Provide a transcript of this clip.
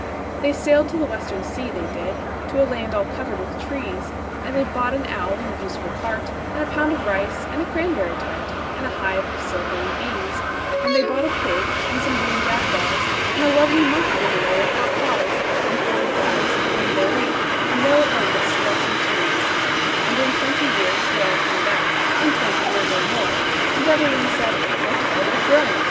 They sail'd to the Western Sea, they did,—To a land all cover'd with trees:And they bought an owl, and a useful cart, And a pound of rice, and a cranberry tart, And a hive of silvery bees; And they bought a pig, and some green jackdaws, And a lovely monkey with lollipop paws, And forty bottles of ring bo ree, And no end of Stilton cheese:And in twenty years they all came back,—In twenty years or more; And every one said, "How tall they've grown!